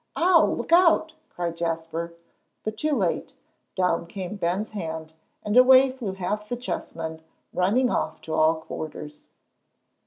"Ow! Look out!" cried Jasper. But too late; down came Ben's hand, and away flew half the chessmen, running off to all quarters.